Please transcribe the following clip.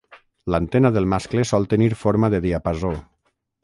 L'antena del mascle sol tenir forma de diapasó.